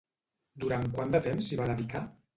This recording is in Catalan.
Durant quant de temps s'hi va dedicar?